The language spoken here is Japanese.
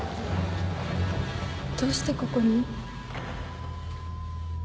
どうしてここに？